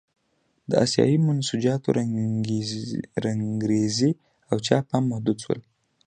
د اسیايي منسوجاتو رنګرېزي او چاپ هم محدود شول.